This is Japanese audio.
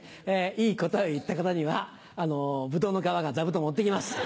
いい答えを言った方にはブドウの皮が座布団持って来ます。